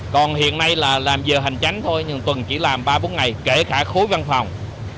còn hiện nay là làm giờ hành chánh thôi nhưng tuần chỉ làm ba bốn ngày kể cả khối văn phòng